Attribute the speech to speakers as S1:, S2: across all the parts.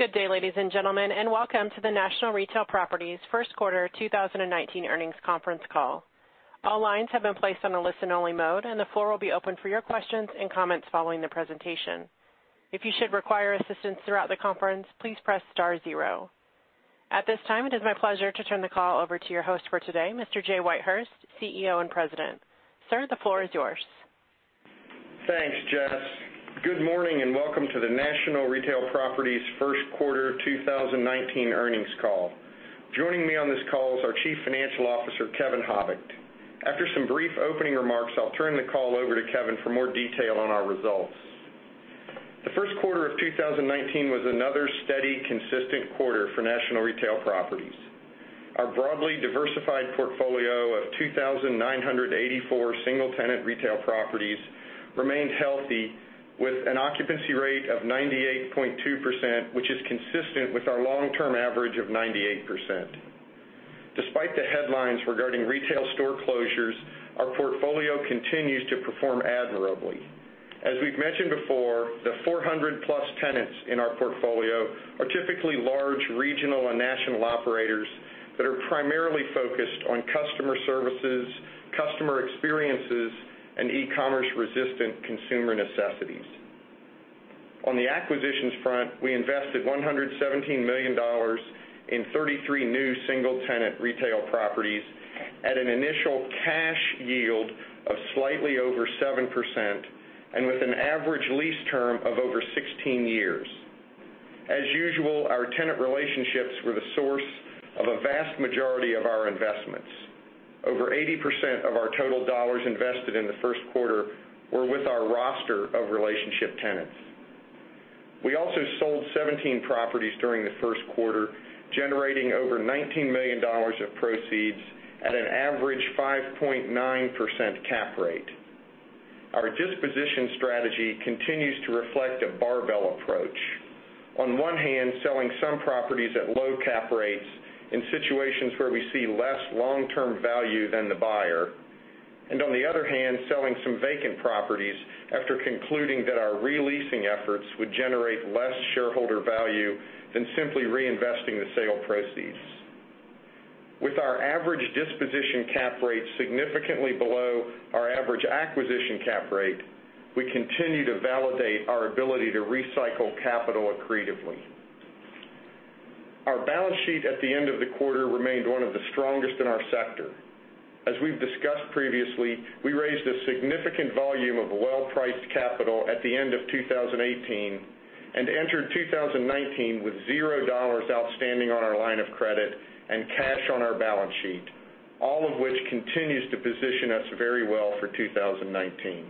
S1: Good day, ladies and gentlemen, welcome to the National Retail Properties first quarter 2019 earnings conference call. All lines have been placed on a listen-only mode, the floor will be open for your questions and comments following the presentation. If you should require assistance throughout the conference, please press star zero. At this time, it is my pleasure to turn the call over to your host for today, Mr. Jay Whitehurst, CEO and President. Sir, the floor is yours.
S2: Thanks, Jess. Good morning, welcome to the National Retail Properties first quarter 2019 earnings call. Joining me on this call is our Chief Financial Officer, Kevin Habicht. After some brief opening remarks, I'll turn the call over to Kevin for more detail on our results. The first quarter of 2019 was another steady, consistent quarter for National Retail Properties. Our broadly diversified portfolio of 2,984 single-tenant retail properties remained healthy with an occupancy rate of 98.2%, which is consistent with our long-term average of 98%. Despite the headlines regarding retail store closures, our portfolio continues to perform admirably. As we've mentioned before, the 400-plus tenants in our portfolio are typically large regional and national operators that are primarily focused on customer services, customer experiences, and e-commerce-resistant consumer necessities. On the acquisitions front, we invested $117 million in 33 new single-tenant retail properties at an initial cash yield of slightly over 7% and with an average lease term of over 16 years. As usual, our tenant relationships were the source of a vast majority of our investments. Over 80% of our total dollars invested in the first quarter were with our roster of relationship tenants. We also sold 17 properties during the first quarter, generating over $19 million of proceeds at an average 5.9% cap rate. Our disposition strategy continues to reflect a barbell approach. On one hand, selling some properties at low cap rates in situations where we see less long-term value than the buyer. On the other hand, selling some vacant properties after concluding that our re-leasing efforts would generate less shareholder value than simply reinvesting the sale proceeds. With our average disposition cap rate significantly below our average acquisition cap rate, we continue to validate our ability to recycle capital accretively. Our balance sheet at the end of the quarter remained one of the strongest in our sector. As we've discussed previously, we raised a significant volume of well-priced capital at the end of 2018 and entered 2019 with $0 outstanding on our line of credit and cash on our balance sheet, all of which continues to position us very well for 2019.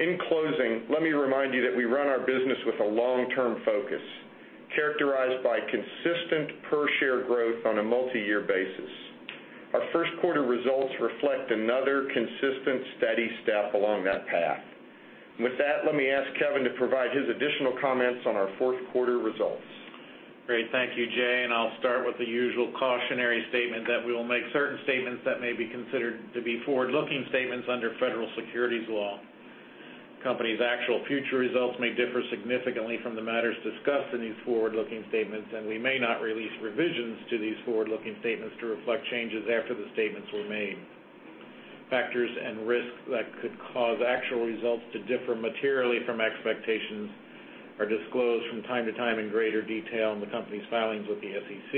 S2: In closing, let me remind you that we run our business with a long-term focus, characterized by consistent per-share growth on a multi-year basis. Our first quarter results reflect another consistent, steady step along that path. With that, let me ask Kevin to provide his additional comments on our fourth quarter results.
S3: I'll start with the usual cautionary statement that we will make certain statements that may be considered to be forward-looking statements under federal securities law. Company's actual future results may differ significantly from the matters discussed in these forward-looking statements, and we may not release revisions to these forward-looking statements to reflect changes after the statements were made. Factors and risks that could cause actual results to differ materially from expectations are disclosed from time to time in greater detail in the company's filings with the SEC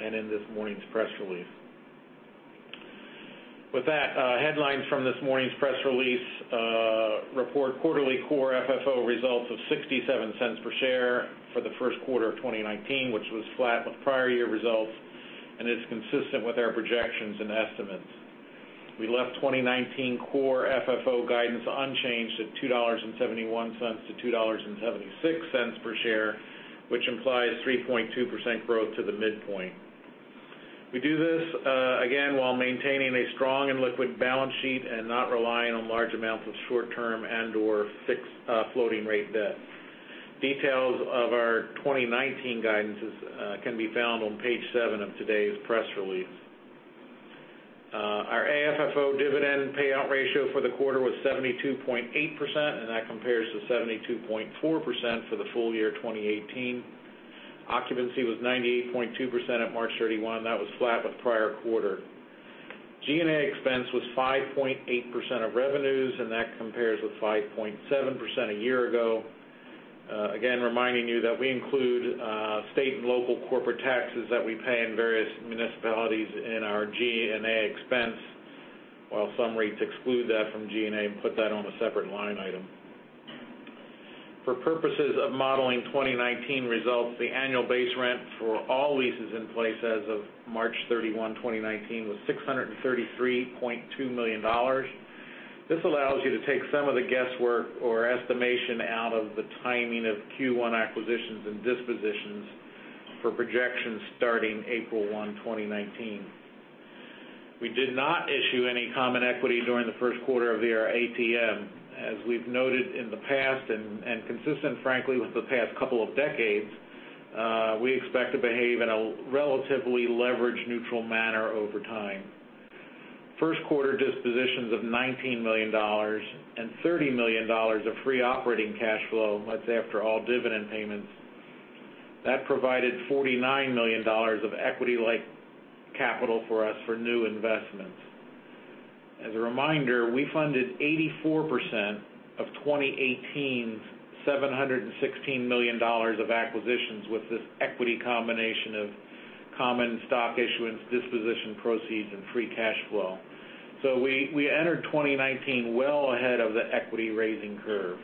S3: and in this morning's press release. Headlines from this morning's press release report quarterly core FFO results of $0.67 per share for the first quarter of 2019, which was flat with prior year results and is consistent with our projections and estimates. We left 2019 core FFO guidance unchanged at $2.71 to $2.76 per share, which implies 3.2% growth to the midpoint. We do this, again, while maintaining a strong and liquid balance sheet and not relying on large amounts of short-term and/or fixed floating rate debt. Details of our 2019 guidances can be found on page seven of today's press release. Our AFFO dividend payout ratio for the quarter was 72.8%. That compares to 72.4% for the full year 2018. Occupancy was 98.2% at March 31. That was flat with prior quarter. G&A expense was 5.8% of revenues. That compares with 5.7% a year ago. Reminding you that we include state and local corporate taxes that we pay in various municipalities in our G&A expense, while some REITs exclude that from G&A and put that on a separate line item. For purposes of modeling 2019 results, the annual base rent for all leases in place as of March 31, 2019, was $633.2 million. This allows you to take some of the guesswork or estimation out of the timing of Q1 acquisitions and dispositions for projections starting April 1, 2019. We did not issue any common equity during the first quarter via our ATM. We've noted in the past and consistent, frankly, with the past couple of decades, we expect to behave in a relatively leverage-neutral manner over time. First quarter dispositions of $19 million and $30 million of free operating cash flow, that's after all dividend payments. That provided $49 million of equity-like capital for us for new investments. As a reminder, we funded 84% of 2018's $716 million of acquisitions with this equity combination of common stock issuance, disposition proceeds, and free cash flow. We entered 2019 well ahead of the equity-raising curve.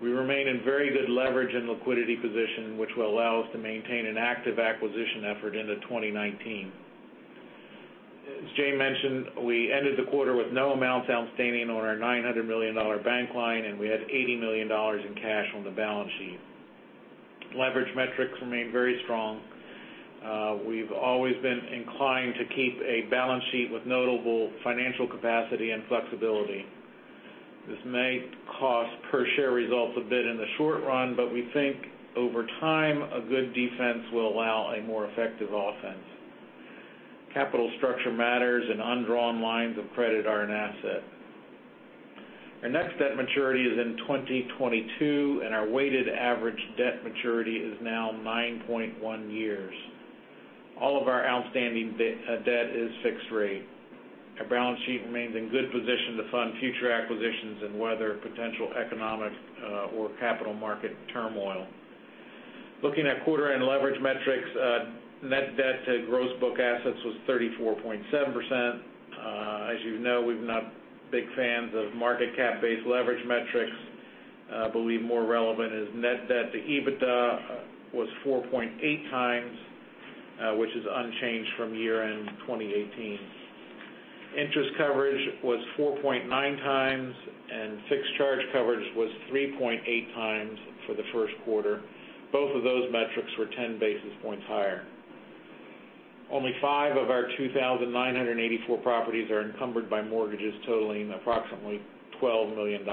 S3: We remain in very good leverage and liquidity position, which will allow us to maintain an active acquisition effort into 2019. As Jay mentioned, we ended the quarter with no amounts outstanding on our $900 million bank line. We had $80 million in cash on the balance sheet. Leverage metrics remain very strong. We've always been inclined to keep a balance sheet with notable financial capacity and flexibility. This may cost per-share results a bit in the short run, but we think over time, a good defense will allow a more effective offense. Capital structure matters. Undrawn lines of credit are an asset. Our next debt maturity is in 2022. Our weighted average debt maturity is now 9.1 years. All of our outstanding debt is fixed rate. Our balance sheet remains in good position to fund future acquisitions and weather potential economic or capital market turmoil. Looking at quarter-end leverage metrics, net debt to gross book assets was 34.7%. As you know, we're not big fans of market cap-based leverage metrics. We believe more relevant is net debt to EBITDA was 4.8 times, which is unchanged from year-end 2018. Interest coverage was 4.9 times, and fixed charge coverage was 3.8 times for the first quarter. Both of those metrics were 10 basis points higher. Only five of our 2,984 properties are encumbered by mortgages totaling approximately $12 million.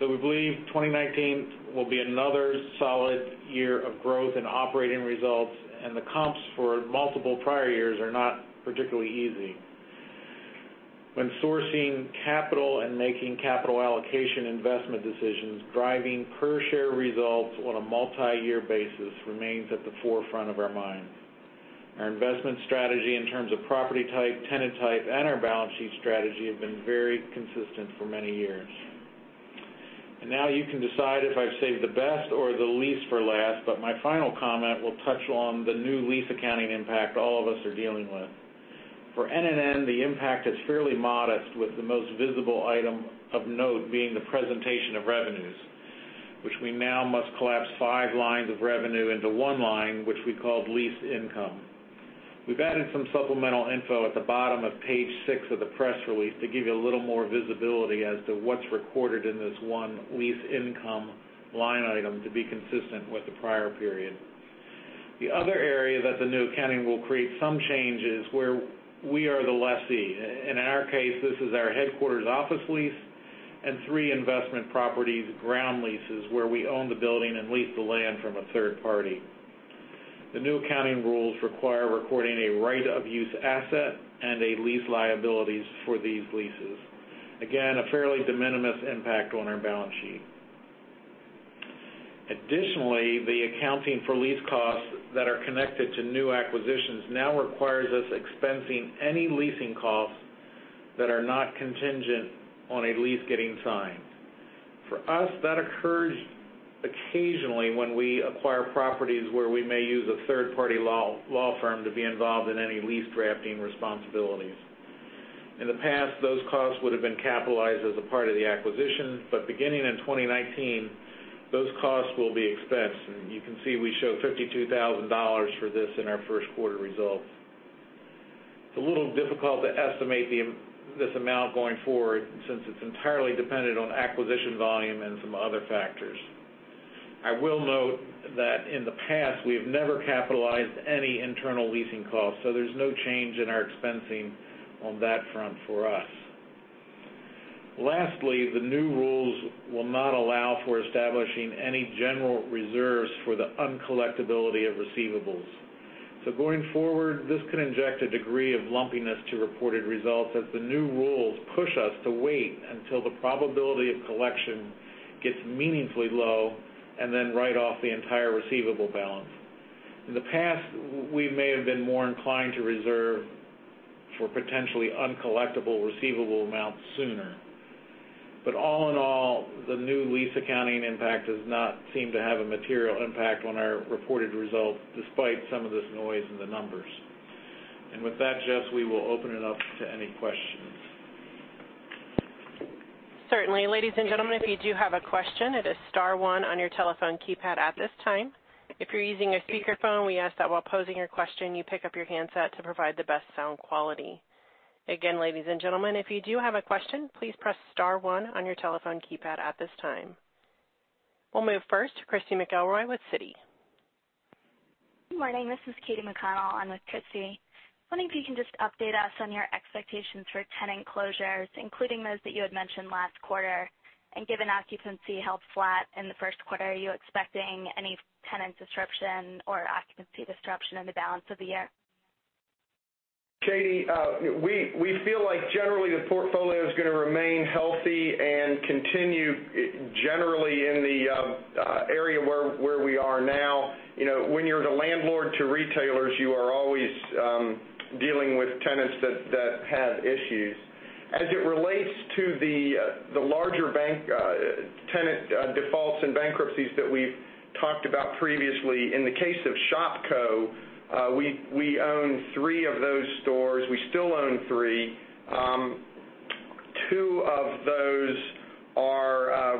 S3: We believe 2019 will be another solid year of growth in operating results, and the comps for multiple prior years are not particularly easy. When sourcing capital and making capital allocation investment decisions, driving per-share results on a multi-year basis remains at the forefront of our minds. Our investment strategy in terms of property type, tenant type, and our balance sheet strategy have been very consistent for many years. Now you can decide if I've saved the best or the least for last, my final comment will touch on the new lease accounting impact all of us are dealing with. For NNN, the impact is fairly modest, with the most visible item of note being the presentation of revenues, which we now must collapse five lines of revenue into one line, which we called lease income. We've added some supplemental info at the bottom of page six of the press release to give you a little more visibility as to what's recorded in this one lease income line item to be consistent with the prior period. The other area that the new accounting will create some change is where we are the lessee. In our case, this is our headquarters' office lease and three investment properties' ground leases, where we own the building and lease the land from a third party. The new accounting rules require recording a right-of-use asset and a lease liability for these leases. Again, a fairly de minimis impact on our balance sheet. Additionally, the accounting for lease costs that are connected to new acquisitions now requires us expensing any leasing costs that are not contingent on a lease getting signed. For us, that occurs occasionally when we acquire properties where we may use a third-party law firm to be involved in any lease-drafting responsibilities. In the past, those costs would've been capitalized as a part of the acquisition. Beginning in 2019, those costs will be expensed. You can see we show $52,000 for this in our first quarter results. It's a little difficult to estimate this amount going forward, since it's entirely dependent on acquisition volume and some other factors. I will note that in the past, we have never capitalized any internal leasing costs, so there's no change in our expensing on that front for us. Lastly, the new rules will not allow for establishing any general reserves for the uncollectibility of receivables. Going forward, this could inject a degree of lumpiness to reported results as the new rules push us to wait until the probability of collection gets meaningfully low and then write off the entire receivable balance. In the past, we may have been more inclined to reserve for potentially uncollectible receivable amounts sooner. All in all, the new lease accounting impact does not seem to have a material impact on our reported results, despite some of this noise in the numbers. With that, Jess, we will open it up to any questions.
S1: Certainly. Ladies and gentlemen, if you do have a question, it is star one on your telephone keypad at this time. If you're using a speakerphone, we ask that while posing your question, you pick up your handset to provide the best sound quality. Again, ladies and gentlemen, if you do have a question, please press star one on your telephone keypad at this time. We'll move first to Christy McElroy with Citi.
S4: Good morning. This is Katy McConnell. I'm with Citi. Wondering if you can just update us on your expectations for tenant closures, including those that you had mentioned last quarter. Given occupancy held flat in the first quarter, are you expecting any tenant disruption or occupancy disruption in the balance of the year?
S2: Katie, we feel like generally the portfolio is going to remain healthy and continue generally in the area where we are now. When you're the landlord to retailers, you are always dealing with tenants that have issues. As it relates to the larger bank tenant defaults and bankruptcies that we've talked about previously, in the case of Shopko, we own three of those stores. We still own three. Two of those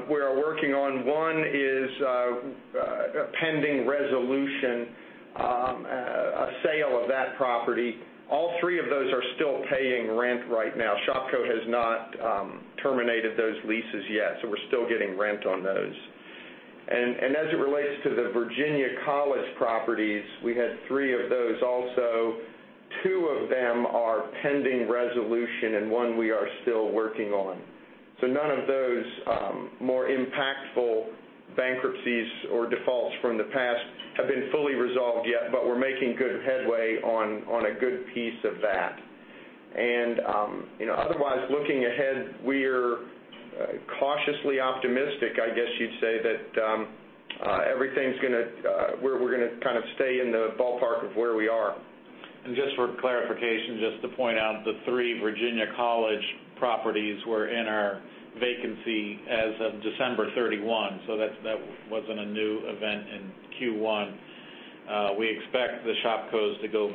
S2: we are working on. One is pending resolution, a sale of that property. All three of those are still paying rent right now. Shopko has not terminated those leases yet, so we're still getting rent on those. As it relates to the Virginia College properties, we had three of those also. Two of them are pending resolution, and one we are still working on. None of those more impactful bankruptcies or defaults from the past have been fully resolved yet, but we're making good headway on a good piece of that. Otherwise, looking ahead, we're cautiously optimistic, I guess you'd say, that we're going to kind of stay in the ballpark of where we are.
S3: Just for clarification, just to point out, the 3 Virginia College properties were in our vacancy as of December 31, so that wasn't a new event in Q1. We expect the 3 Shopkos to go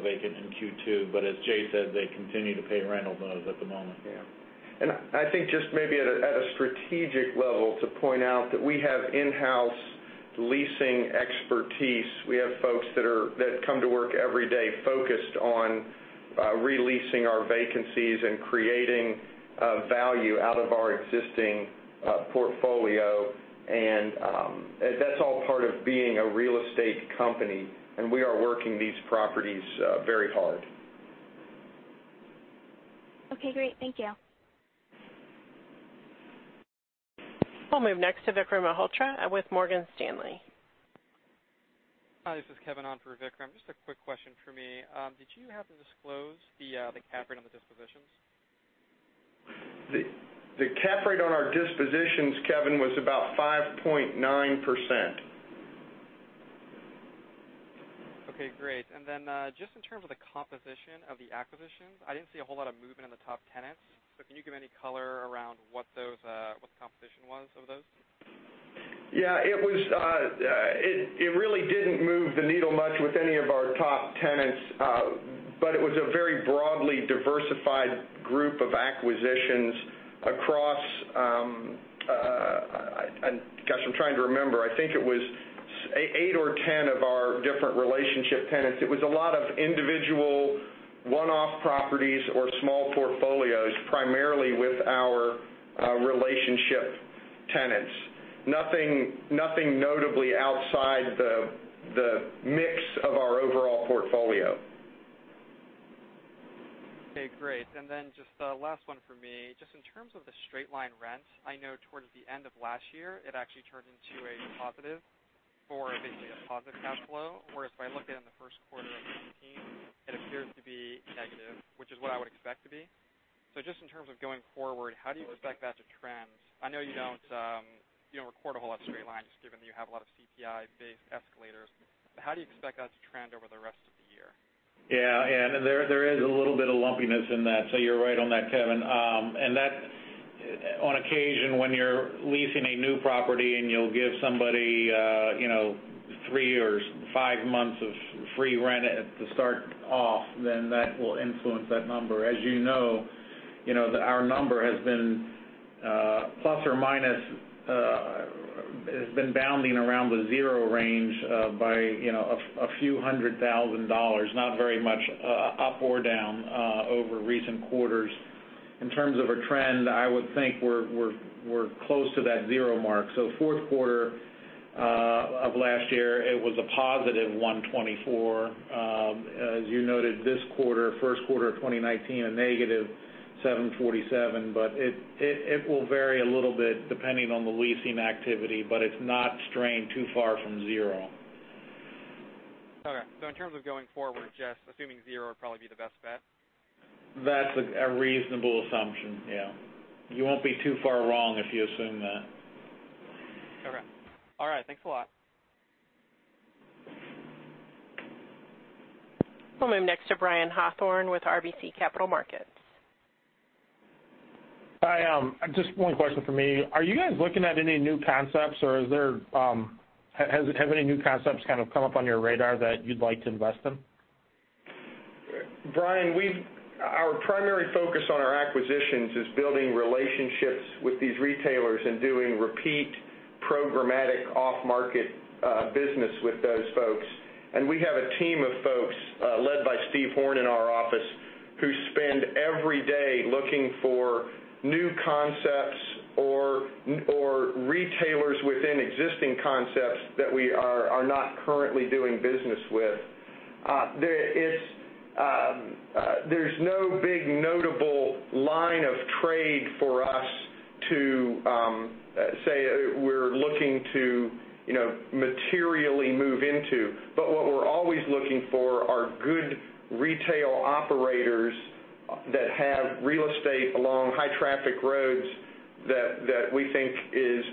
S3: vacant in Q2, but as Jay said, they continue to pay rent on those at the moment.
S2: Yeah. I think just maybe at a strategic level, to point out that we have in-house leasing expertise. We have folks that come to work every day focused on re-leasing our vacancies and creating value out of our existing portfolio. That's all part of being a real estate company, and we are working these properties very hard.
S4: Okay, great. Thank you.
S1: We'll move next to Vikram Malhotra with Morgan Stanley.
S5: Hi, this is Kevin on for Vikram. Just a quick question for me. Did you happen to disclose the cap rate on the dispositions?
S2: The cap rate on our dispositions, Kevin, was about 5.9%.
S5: Okay, great. Just in terms of the composition of the acquisitions, I didn't see a whole lot of movement in the top tenants. Can you give any color around what the composition was of those?
S2: Yeah. It really didn't move the needle much with any of our top tenants. It was a very broadly diversified group of acquisitions across Gosh, I'm trying to remember. I think it was eight or 10 of our different relationship tenants. It was a lot of individual one-off properties or small portfolios, primarily with our relationship tenants. Nothing notably outside the mix of our overall portfolio.
S5: Okay, great. Just the last one for me. Just in terms of the straight-line rent, I know towards the end of last year, it actually turned into a positive for basically a positive cash flow. Whereas if I look at it in the first quarter of 2019, it appears to be negative, which is what I would expect to be. Just in terms of going forward, how do you expect that to trend? I know you don't record a whole lot of straight line, just given that you have a lot of CPI-based escalators. How do you expect that to trend over the rest of the year?
S3: Yeah. There is a little bit of lumpiness in that, so you're right on that, Kevin. On occasion, when you're leasing a new property and you'll give somebody three or five months of free rent to start off, then that will influence that number. As you know, our number has been plus or minus, has been bounding around the zero range by a few hundred thousand dollars, not very much up or down, over recent quarters. In terms of a trend, I would think we're close to that zero mark. Fourth quarter of last year, it was a positive $124. As you noted, this quarter, first quarter of 2019, a negative $747. It will vary a little bit depending on the leasing activity, but it's not straying too far from zero.
S5: Okay. In terms of going forward, just assuming zero would probably be the best bet?
S3: That's a reasonable assumption, yeah. You won't be too far wrong if you assume that.
S5: Okay. All right, thanks a lot.
S1: We'll move next to Brian Hawthorne with RBC Capital Markets.
S6: Hi. Just one question from me. Are you guys looking at any new concepts, or have any new concepts kind of come up on your radar that you'd like to invest in?
S2: Brian, our primary focus on our acquisitions is building relationships with these retailers and doing repeat programmatic off-market business with those folks. We have a team of folks led by Steve Horn in our office, who spend every day looking for new concepts or retailers within existing concepts that we are not currently doing business with. There's no big notable line of trade for us to say we're looking to materially move into. What we're always looking for are good retail operators that have real estate along high traffic roads that we think is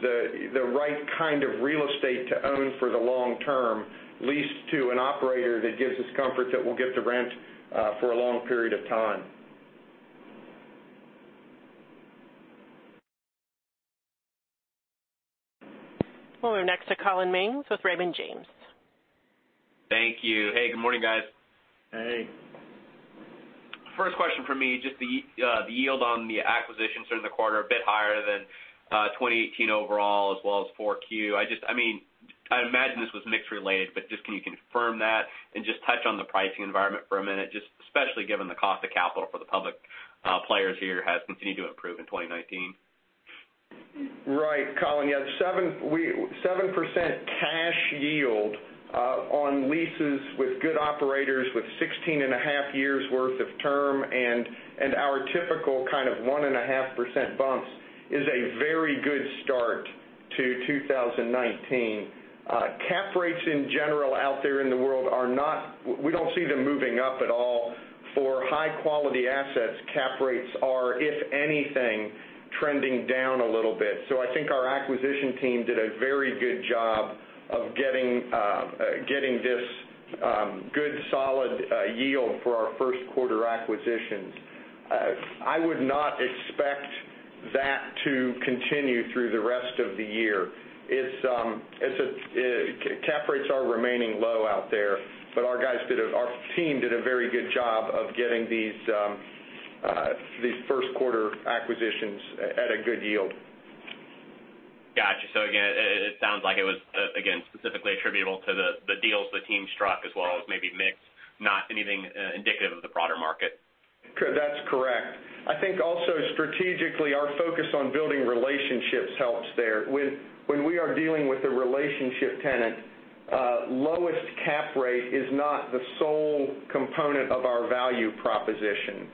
S2: the right kind of real estate to own for the long term, leased to an operator that gives us comfort that we'll get the rent for a long period of time.
S1: We'll move next to Collin Mings with Raymond James.
S7: Thank you. Hey, good morning, guys.
S2: Hey.
S7: First question from me, just the yield on the acquisitions during the quarter, a bit higher than 2018 overall, as well as 4Q. I imagine this was mix related, but just can you confirm that and just touch on the pricing environment for a minute, just especially given the cost of capital for the public players here has continued to improve in 2019.
S2: Right, Collin. Yeah. 7% cash yield on leases with good operators with 16 and a half years worth of term and our typical kind of 1.5% bumps is a very good start to 2019. Cap rates in general out there in the world, we don't see them moving up at all. For high-quality assets, cap rates are, if anything, trending down a little bit. I think our acquisition team did a very good job of getting this good solid yield for our first quarter acquisitions. I would not expect that to continue through the rest of the year. Cap rates are remaining low out there, but our team did a very good job of getting these first quarter acquisitions at a good yield.
S7: Got you. Again, it sounds like it was, again, specifically attributable to the deals the team struck as well as maybe mix, not anything indicative of the broader market.
S2: That's correct. I think also strategically, our focus on building relationships helps there. When we are dealing with a relationship tenant, lowest cap rate is not the sole component of our value proposition.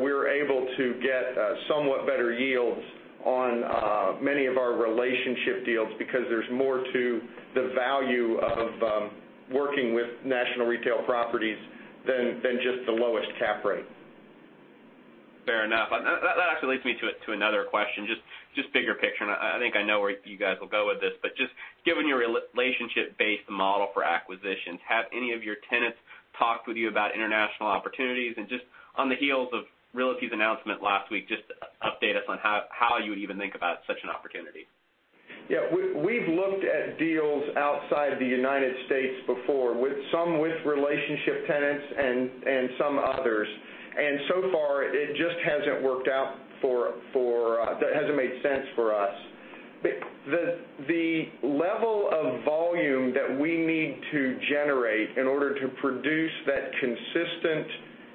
S2: We're able to get somewhat better yields on many of our relationship deals because there's more to the value of working with National Retail Properties than just the lowest cap rate.
S7: Fair enough. That actually leads me to another question, just bigger picture, and I think I know where you guys will go with this. Just given your relationship-based model for acquisitions, have any of your tenants talked with you about international opportunities? Just on the heels of Realty's announcement last week, just update us on how you even think about such an opportunity.
S2: Yeah. We've looked at deals outside the United States before, some with relationship tenants and some others. So far, it just hasn't made sense for us. The level of volume that we need to generate in order to produce that consistent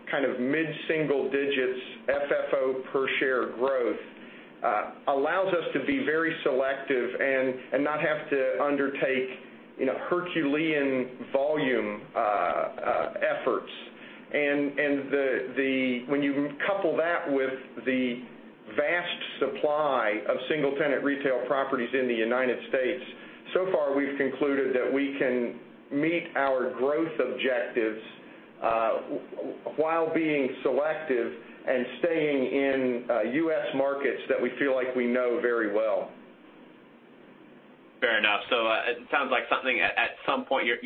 S2: kind of mid-single digits FFO per share growth, allows us to be very selective and not have to undertake Herculean volume efforts. When you couple that with the vast supply of single-tenant retail properties in the United States, so far, we've concluded that we can meet our growth objectives while being selective and staying in U.S. markets that we feel like we know very well.
S7: Fair enough. It sounds like something at some point, you're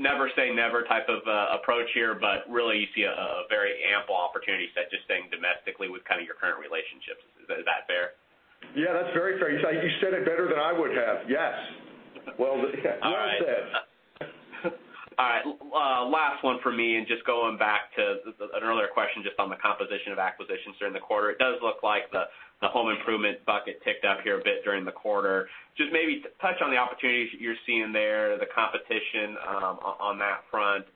S7: never say never type of approach here, but really you see a very ample opportunity set just staying domestically with kind of your current relationships. Is that fair?
S2: Yeah, that's very fair. You said it better than I would have. Yes.
S7: All right.
S2: Well said.
S7: All right. Last one for me, and just going back to an earlier question just on the composition of acquisitions during the quarter. It does look like the home improvement bucket ticked up here a bit during the quarter. Just maybe touch on the opportunities that you're seeing there, the competition on that front,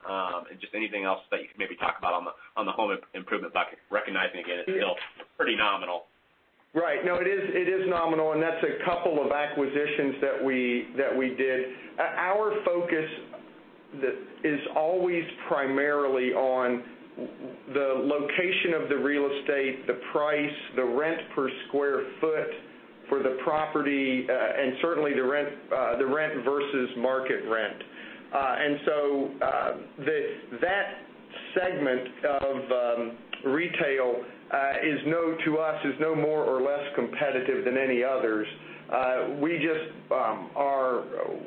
S7: and just anything else that you could maybe talk about on the home improvement bucket, recognizing, again, it's still pretty nominal.
S2: Right. No, it is nominal, and that's a couple of acquisitions that we did. Our focus is always primarily on the location of the real estate, the price, the rent per square foot for the property, and certainly the rent versus market rent. So that segment of retail to us is no more or less competitive than any others.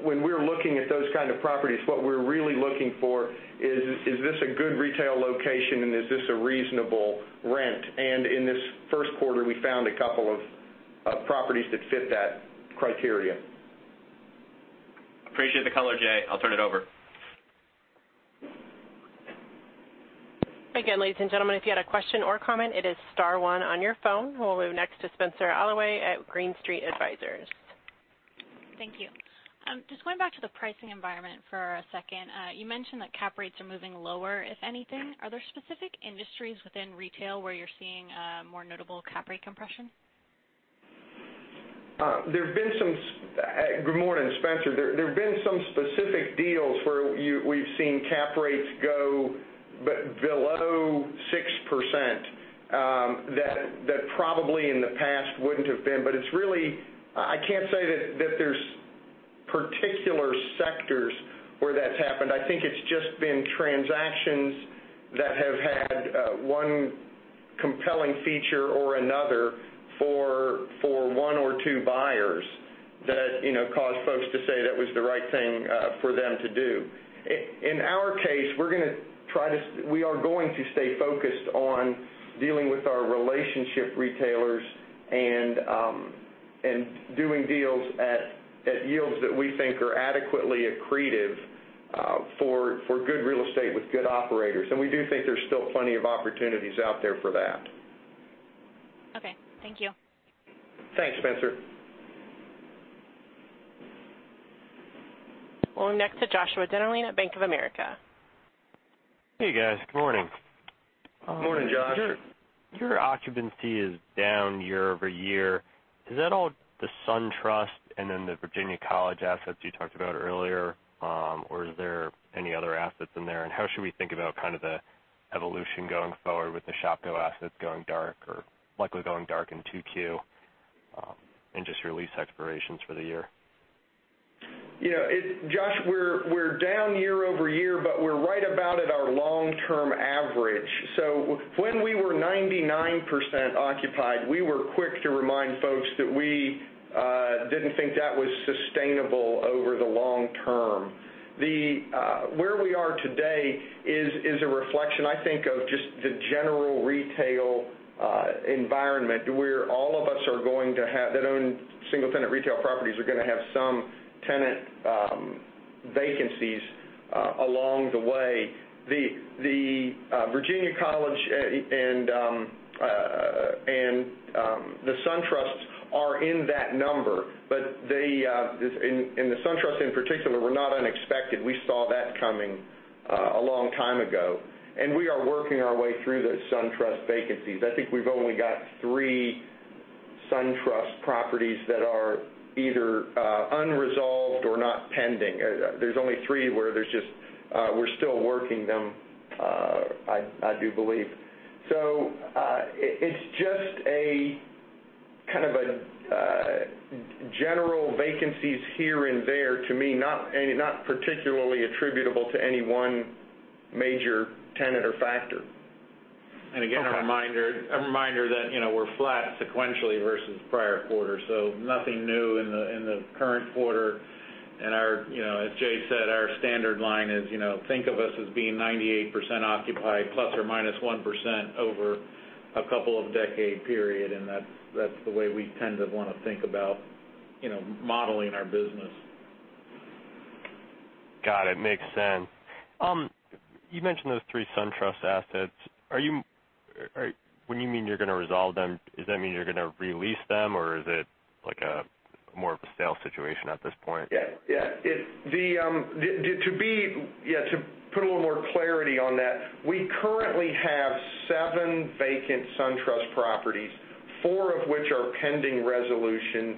S2: When we're looking at those kind of properties, what we're really looking for is this a good retail location and is this a reasonable rent? In this first quarter, we found a couple of properties that fit that criteria.
S7: Appreciate the color, Jay. I'll turn it over.
S1: Again, ladies and gentlemen, if you had a question or comment, it is star one on your phone. We'll move next to Spenser Allaway at Green Street Advisors.
S8: Thank you. Just going back to the pricing environment for a second. You mentioned that cap rates are moving lower, if anything. Are there specific industries within retail where you're seeing more notable cap rate compression?
S2: There have been some, good morning, Spenser. There have been some specific deals where we've seen cap rates go below 6%, that probably in the past wouldn't have been. I can't say that there's particular sectors where that's happened. I think it's just been transactions that have had one compelling feature or another for one or two buyers that caused folks to say that was the right thing for them to do. In our case, we are going to stay focused on dealing with our relationship retailers and doing deals at yields that we think are adequately accretive for good real estate with good operators. We do think there's still plenty of opportunities out there for that.
S8: Okay. Thank you.
S2: Thanks, Spenser.
S1: We'll go next to Joshua Dennerlein at Bank of America.
S9: Hey, guys. Good morning.
S2: Good morning, Josh.
S9: Your occupancy is down year-over-year. Is that all the SunTrust and then the Virginia College assets you talked about earlier? Or is there any other assets in there? How should we think about kind of the evolution going forward with the Shopko assets going dark or likely going dark in 2Q, and just your lease expirations for the year?
S2: Josh, we're down year-over-year, but we're right about at our long-term average. When we were 99% occupied, we were quick to remind folks that we didn't think that was sustainable over the long term. Where we are today is a reflection, I think, of just the general retail environment, where all of us that own single-tenant retail properties are going to have some tenant vacancies along the way. The Virginia College and the SunTrusts are in that number, but in the SunTrust in particular, were not unexpected. We saw that coming a long time ago. We are working our way through those SunTrust vacancies. I think we've only got three SunTrust properties that are either unresolved or not pending. There's only three where we're still working them, I do believe. It's just a kind of general vacancies here and there, to me, not particularly attributable to any one major tenant or factor.
S3: Again, a reminder that we're flat sequentially versus prior quarter. Nothing new in the current quarter. As Jay said, our standard line is, think of us as being 98% occupied, ±1%, over a couple of decade period, and that's the way we tend to want to think about modeling our business.
S9: Got it. Makes sense. You mentioned those three SunTrust assets. When you mean you're going to resolve them, does that mean you're going to re-lease them, or is it more of a sale situation at this point?
S2: To put a little more clarity on that, we currently have seven vacant SunTrust properties, four of which are pending resolution.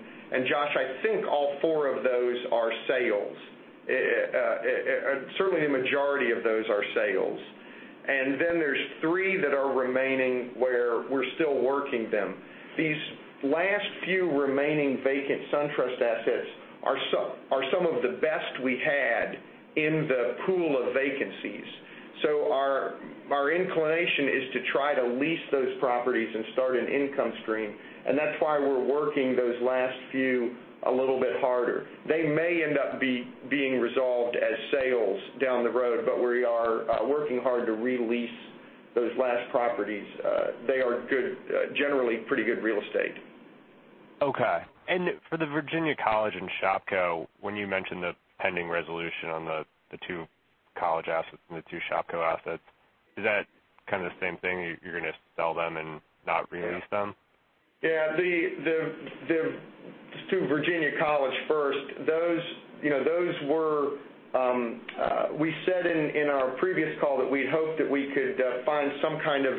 S2: Josh, I think all four of those are sales. Certainly, the majority of those are sales. Then there's three that are remaining, where we're still working them. These last few remaining vacant SunTrust assets are some of the best we had in the pool of vacancies. Our inclination is to try to lease those properties and start an income stream, and that's why we're working those last few a little bit harder. They may end up being resolved as sales down the road, but we are working hard to re-lease those last properties. They are generally pretty good real estate.
S9: For the Virginia College and Shopko, when you mentioned the pending resolution on the two college assets and the two Shopko assets, is that kind of the same thing? You're going to sell them and not re-lease them?
S2: The two Virginia College first. We said in our previous call that we hoped that we could find some kind of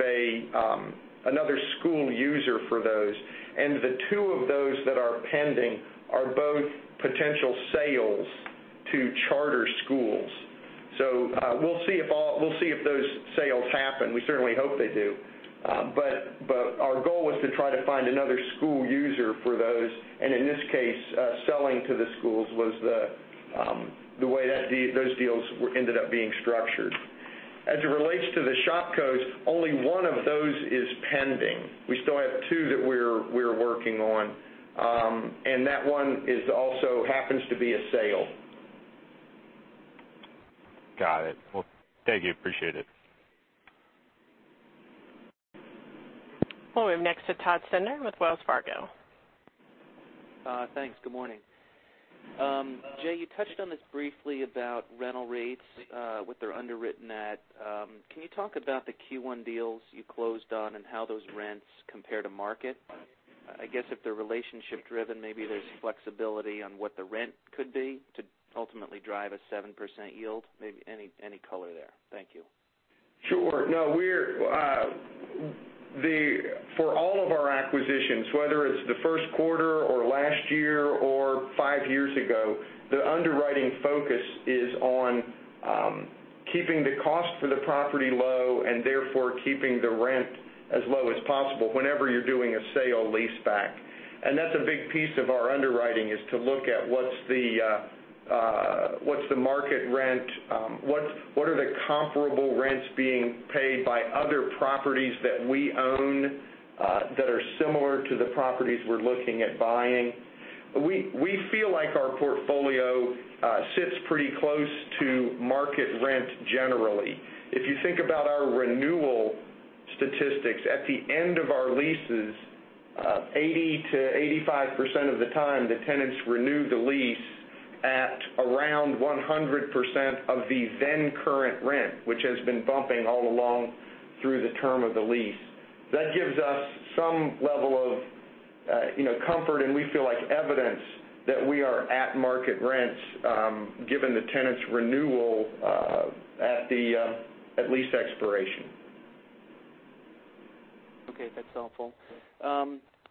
S2: another school user for those, and the two of those that are pending are both potential sales to charter schools. We'll see if those sales happen. We certainly hope they do. Our goal was to try to find another school user for those. In this case, selling to the schools was the way those deals ended up being structured. As it relates to the Shopkos, only one of those is pending. We still have two that we're working on. That one also happens to be a sale.
S9: Got it. Thank you. Appreciate it.
S1: We'll go next to Todd Stender with Wells Fargo.
S10: Good morning. Jay, you touched on this briefly about rental rates, what they're underwritten at. Can you talk about the Q1 deals you closed on and how those rents compare to market? I guess if they're relationship driven, maybe there's flexibility on what the rent could be to ultimately drive a 7% yield. Maybe any color there. Thank you.
S2: Sure. For all of our acquisitions, whether it's the first quarter or last year or five years ago, the underwriting focus is on keeping the cost for the property low and therefore keeping the rent as low as possible whenever you're doing a sale-leaseback. That's a big piece of our underwriting, is to look at what's the market rent, what are the comparable rents being paid by other properties that we own that are similar to the properties we're looking at buying. We feel like our portfolio sits pretty close to market rent generally. If you think about our renewal statistics, at the end of our leases, 80%-85% of the time, the tenants renew the lease at around 100% of the then current rent, which has been bumping all along through the term of the lease. That gives us some level of comfort, and we feel like evidence that we are at market rents, given the tenant's renewal at lease expiration.
S10: Okay. That's helpful.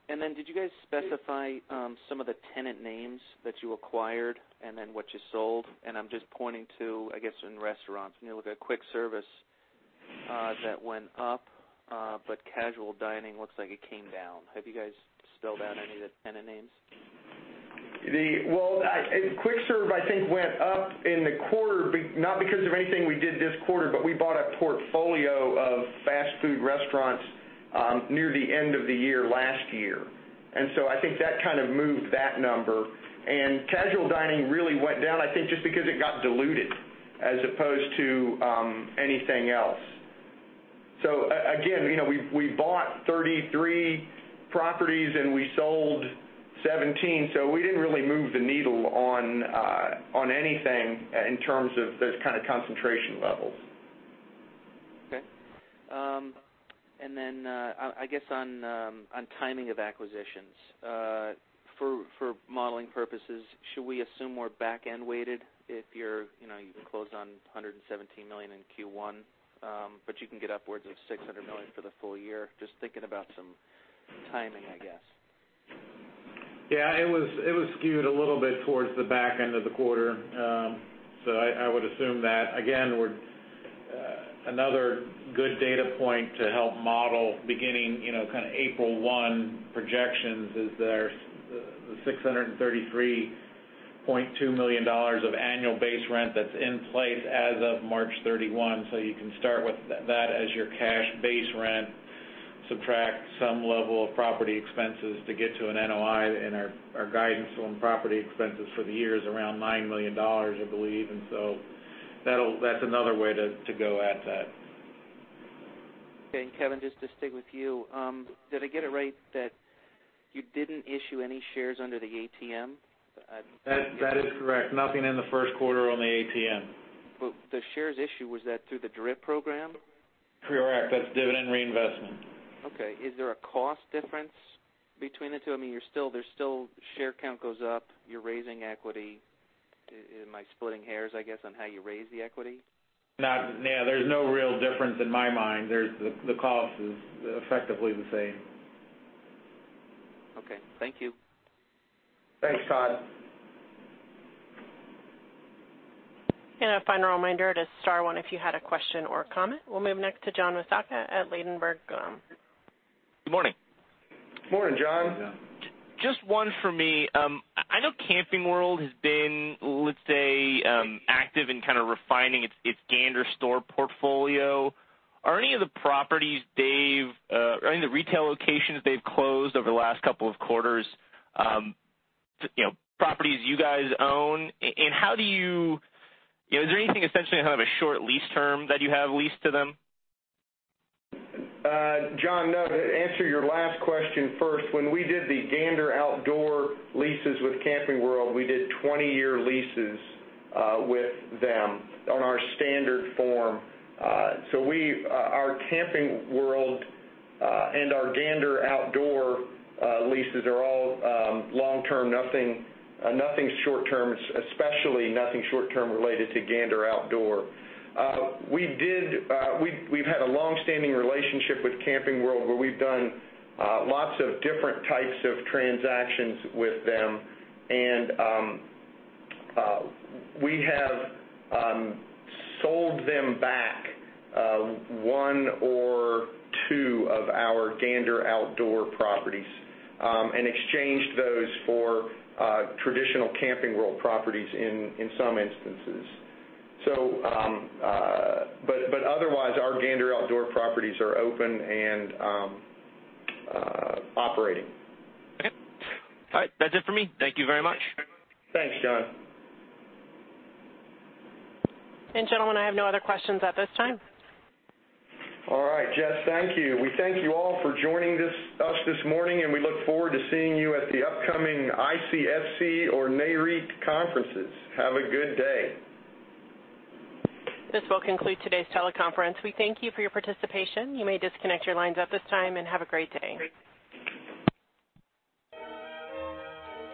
S10: Did you guys specify some of the tenant names that you acquired and then what you sold? I'm just pointing to, I guess, in restaurants, when you look at quick service, that went up, but casual dining looks like it came down. Have you guys spelled out any of the tenant names?
S2: Well, quick serve, I think, went up in the quarter, not because of anything we did this quarter, but we bought a portfolio of fast food restaurants near the end of the year last year. I think that kind of moved that number. Casual dining really went down, I think just because it got diluted as opposed to anything else. Again, we bought 33 properties and we sold 17, so we didn't really move the needle on anything in terms of those kind of concentration levels.
S10: Okay. I guess on timing of acquisitions, for modeling purposes, should we assume we're back-end weighted if you can close on $117 million in Q1, but you can get upwards of $600 million for the full year? Just thinking about some timing, I guess.
S3: Yeah, it was skewed a little bit towards the back end of the quarter. I would assume that. Again, another good data point to help model beginning kind of April 1 projections is the $633.2 million of annual base rent that's in place as of March 31. You can start with that as your cash base rent, subtract some level of property expenses to get to an NOI, our guidance on property expenses for the year is around $9 million, I believe. That's another way to go at that.
S10: Okay. Kevin, just to stay with you, did I get it right that you didn't issue any shares under the ATM?
S3: That is correct. Nothing in the first quarter on the ATM.
S10: The shares issue, was that through the DRIP program?
S3: Correct. That's dividend reinvestment.
S10: Okay. Is there a cost difference between the two? I mean, share count goes up, you're raising equity. Am I splitting hairs, I guess, on how you raise the equity?
S3: No, there's no real difference in my mind. The cost is effectively the same.
S10: Okay. Thank you.
S2: Thanks, Todd.
S1: A final reminder to star one if you had a question or comment. We'll move next to John Massocca at Ladenburg.
S11: Good morning.
S2: Morning, John.
S11: Just one for me. I know Camping World has been, let's say, active in kind of refining its Gander store portfolio. Are any of the retail locations they've closed over the last couple of quarters properties you guys own? Is there anything essentially in kind of a short lease term that you have leased to them?
S2: John, no. To answer your last question first, when we did the Gander Outdoors leases with Camping World, we did 20-year leases with them on our standard form. Our Camping World and our Gander Outdoors leases are all long-term, nothing short-term, especially nothing short-term related to Gander Outdoors. We've had a longstanding relationship with Camping World where we've done lots of different types of transactions with them, and we have sold them back one or two of our Gander Outdoors properties, and exchanged those for traditional Camping World properties in some instances. Otherwise, our Gander Outdoors properties are open and operating.
S11: Okay. All right. That's it for me. Thank you very much.
S2: Thanks, John.
S1: Gentlemen, I have no other questions at this time.
S2: All right. Jess, thank you. We thank you all for joining us this morning, and we look forward to seeing you at the upcoming ICSC or NAREIT conferences. Have a good day.
S1: This will conclude today's teleconference. We thank you for your participation. You may disconnect your lines at this time, and have a great day.
S2: Great. Thank you.